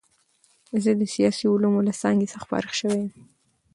زه د سیاسي علومو له څانګې څخه فارغ شوی یم.